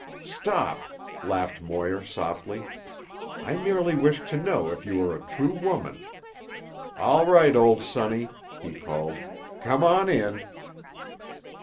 "Stop," laughed Moir softly. "I merely wished to know if you are a true woman. All right, old sonny!" he called. "Come on in."